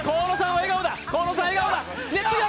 笑顔だ。